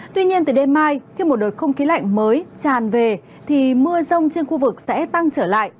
tuy nhiên từ đêm mai khi một đợt không khí lạnh mới tràn về thì mưa rông trên khu vực sẽ tăng trở lại